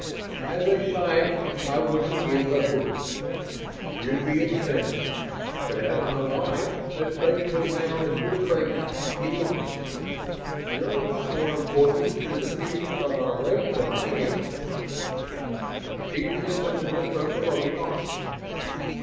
"As a psych I wouldn't give a whoop. You'd be expendable. But as my wife, especially now that you're pregnant, you aren't. You're a lot more important to the future of our race than I am." She stiffened in the circle of his arm.